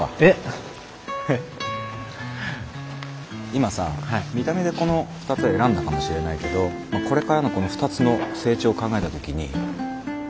今さ見た目でこの２つは選んだかもしれないけどこれからのこの２つの成長を考えた時にバランスどう？